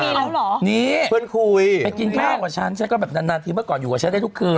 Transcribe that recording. นี่เพื่อนคุยไปกินข้าวกับฉันฉันก็แบบนานนานทีเมื่อก่อนอยู่กับฉันได้ทุกคืน